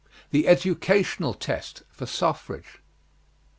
THE EDUCATIONAL TEST FOR SUFFRAGE.